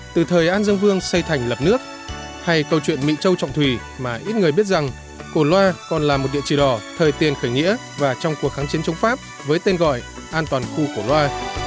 trong câu chuyện mỹ châu trọng thủy mà ít người biết rằng cổ loa còn là một địa chỉ đỏ thời tiên khởi nghĩa và trong cuộc kháng chiến chống pháp với tên gọi an toàn khu cổ loa